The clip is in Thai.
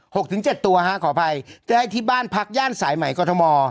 หกถึงเจ็ดตัวฮะขออภัยจะได้ที่บ้านพักย่านสายใหม่กรทม